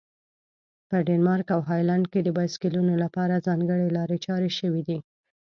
په ډنمارک او هالند کې د بایسکلونو لپاره ځانګړي لارې چارې شوي دي.